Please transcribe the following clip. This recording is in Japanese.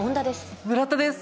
村田です。